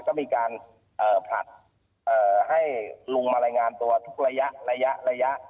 ก็มีการผลัดให้ลุงมารายงานตัวทุกระยะ